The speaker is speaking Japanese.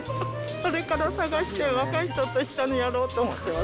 これから探して、若い人と一緒にやろうと思って。